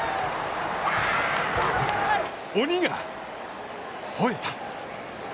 鬼がほえた。